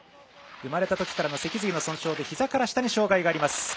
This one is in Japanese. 生まれたときからのせき髄の損傷でひざから下に障がいがあります。